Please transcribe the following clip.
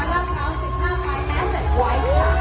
รับข่าวสิบห้าไปและเสร็จไว้ค่ะ